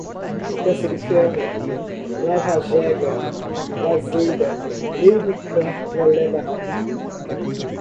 testa de ferro, lavar a jega, lazeira, lei do cão, lelé da cuca